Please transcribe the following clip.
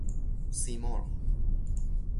سیمرغ